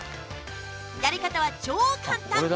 やり方は超簡単！